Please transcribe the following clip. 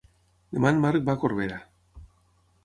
Demà en Marc va a Corbera.